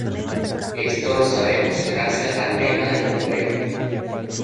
Esto lo sabemos gracias al lema del bombeo.